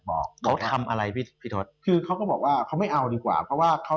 บอกได้บอกทำอะไรพี่ทดคือเขาก็บอกว่าเขาไม่ดีกว่าเพราะว่า